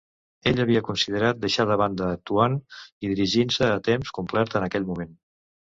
Ell havia considerat deixar de banda actuant i dirigint-se a temps complet en aquell moment.